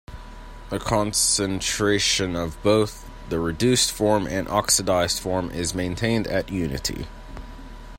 The concentration of both the reduced form and oxidised form is maintained at unity.